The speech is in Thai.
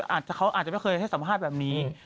เขาอาจจะไม่เคยให้สัมภาษณ์แบบนี้